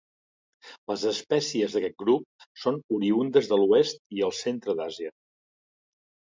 Les espècies d'aquest grup són oriündes de l'oest i el centre d'Àsia.